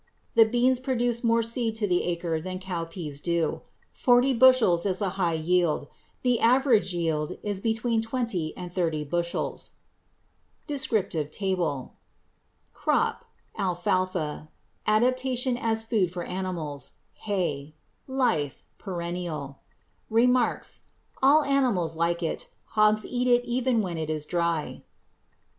The beans produce more seed to the acre than cowpeas do. Forty bushels is a high yield. The average yield is between twenty and thirty bushels. DESCRIPTIVE TABLE ADAPTATION AS Crop FOOD FOR ANIMALS LIFE REMARKS Alfalfa Hay Perennial All animals like it; hogs eat it even when it is dry.